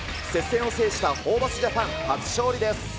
接戦を制したホーバスジャパン、初勝利です。